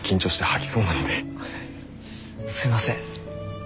すいません。